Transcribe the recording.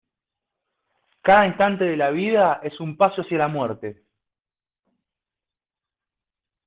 Cada instante de la vida es un paso hacia la muerte.